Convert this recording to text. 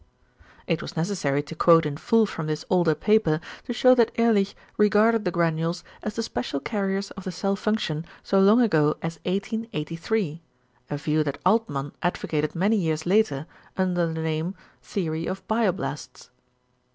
It was necessary to quote in full from this older paper, to shew that Ehrlich regarded the granules as the special carriers of the cell function so long ago as 1883, a view that Altmann advocated many years later, under the name "theory of bioblasts."